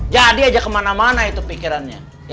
jadi aja kemana mana itu pikirannya